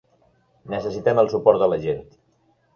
Necessitem el suport de la gent.